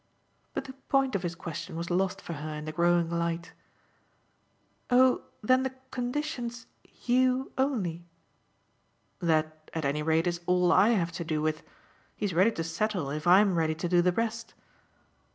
But the point of his question was lost for her in the growing light. "Oh then the condition's 'you' only ?" "That, at any rate, is all I have to do with. He's ready to settle if I'm ready to do the rest."